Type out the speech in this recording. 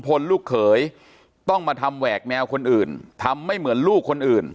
พลลุกเผยต้องมาทำแวกแมวคนอื่นทำไม่เหมือนลูก